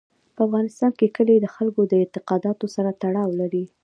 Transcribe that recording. په افغانستان کې کلي د خلکو د اعتقاداتو سره تړاو لري.